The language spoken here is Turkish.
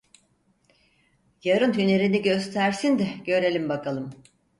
Yarın hünerini göstersin de görelim bakalım.